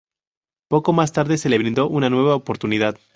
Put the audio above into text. Poco más tarde se le brindó una nueva oportunidad.